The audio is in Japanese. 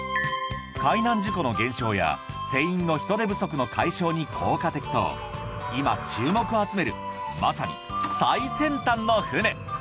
海難事故の減少や船員の人手不足の解消に効果的と今注目を集めるまさに最先端の船